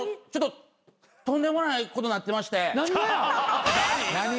ちょっととんでもないことになってまして。